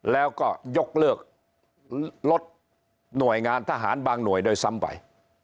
แล้วก็ยกเลิกลดหน่วยงานทหารบางหน่วยด้วยซ้ำไป